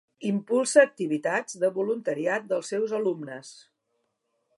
Impulsa activitats de voluntariat dels seus alumnes.